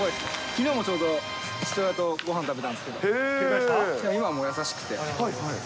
きのうもちょうど、父親とごはん食べたんですけど、今はもう優しくて。